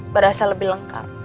berasa lebih lengkap